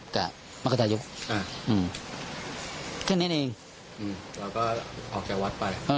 เข้ามาให้กุญแจ